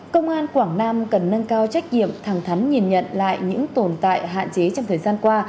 công an quảng nam cần nâng cao trách nhiệm thẳng thắn nhìn nhận lại những tồn tại hạn chế trong thời gian qua